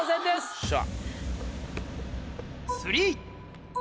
よっしゃ。